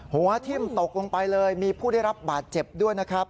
หัวทิ่มตกลงไปเลยมีผู้ได้รับบาดเจ็บด้วยนะครับ